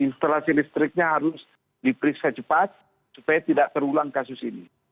instalasi listriknya harus diperiksa cepat supaya tidak terulang kasus ini